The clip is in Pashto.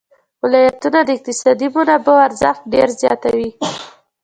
ولایتونه د اقتصادي منابعو ارزښت ډېر زیاتوي.